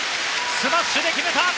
スマッシュで決めた！